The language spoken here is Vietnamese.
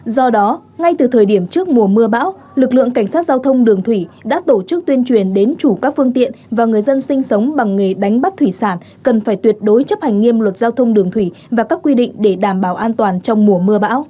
do đó ngay từ thời điểm trước mùa mưa bão lực lượng cảnh sát giao thông đường thủy đã tổ chức tuyên truyền đến chủ các phương tiện và người dân sinh sống bằng nghề đánh bắt thủy sản cần phải tuyệt đối chấp hành nghiêm luật giao thông đường thủy và các quy định để đảm bảo an toàn trong mùa mưa bão